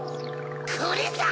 これさ！